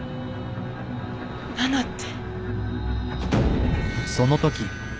「なな」って？